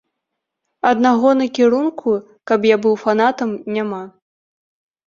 Аднаго накірунку, каб я быў фанатам, няма.